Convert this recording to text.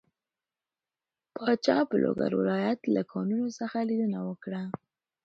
پاچا په لوګر ولايت له کانونو څخه ليدنه وکړه.